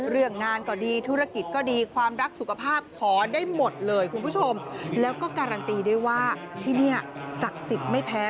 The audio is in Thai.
เรื่องงานก็ดีธุรกิจก็ดีความรักสุขภาพขอได้หมดเลยคุณผู้ชมแล้วก็การันตีด้วยว่าที่นี่ศักดิ์สิทธิ์ไม่แพ้